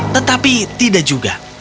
tetapi tidak juga